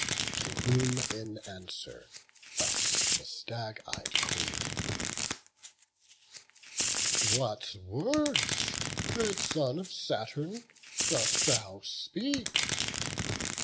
To whom in answer thus the stag ey'd Queen: "What words, dread son of Saturn, dost thou speak?